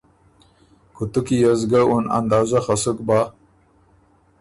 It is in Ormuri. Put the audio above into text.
کُوتُو کی يې سو ګۀ اُن اندازۀ خه سُک بۀ۔